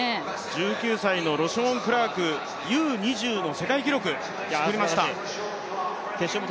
１９歳のクラーク、Ｕ−２０の世界記録作りました。